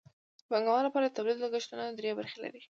د پانګوالو لپاره د تولید لګښتونه درې برخې لري